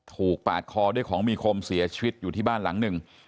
ปาดคอด้วยของมีคมเสียชีวิตอยู่ที่บ้านหลังหนึ่ง